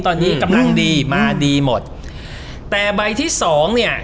ตอนนี้กำลังดีมาดีหมดแต่ใบที่สองเนี่ย